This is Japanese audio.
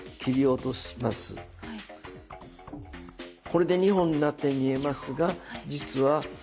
これで２本になったように見えますが実は。